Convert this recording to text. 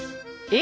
え？